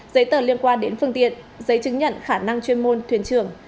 giấy tờ liên quan đến phương tiện giấy chứng nhận khả năng chuyên môn thuyền trưởng